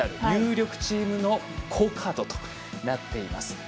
有力チームの好カードとなっています。